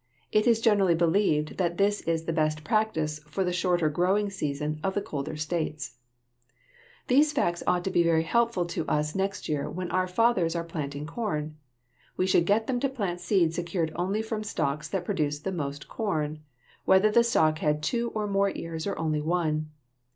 It is generally believed that this is the best practice for the shorter growing seasons of the colder states. [Illustration: FIG. 54. SELECT SEED FROM A STALK LIKE THAT ON LEFT] These facts ought to be very helpful to us next year when our fathers are planting corn. We should get them to plant seed secured only from stalks that produced the most corn, whether the stalk had two or more ears or only one.